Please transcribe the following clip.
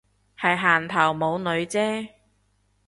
係行頭冇女啫